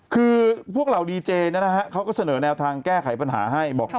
คือพวกเหล่าดีเจเขาก็เสนอแนวทางแก้ไขปัญหาให้บอก